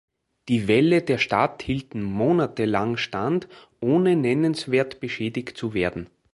Die Wälle der Stadt hielten monatelang stand, ohne nennenswert beschädigt zu werden.